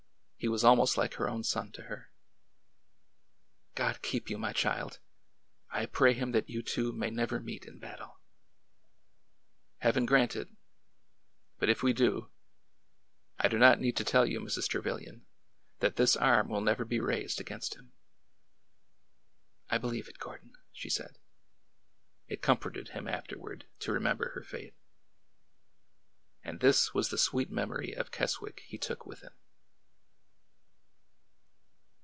He was almost like her own son to her. God keep you, my child ! I pray him that you two may never meet in battle !" Heaven grant it ! But if we do— I do not need to tell you, Mrs. Trevilian, that this arm will never be raised against him." I believe it, Gordon," she said. It comforted him afterward to remember her faith. And this was the sweet memory of Keswick he took with him.